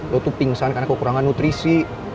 lo tuh pingsan karena kekurangan nutrisi